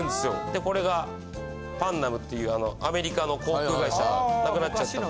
でこれがパンナムっていうアメリカの航空会社なくなっちゃった。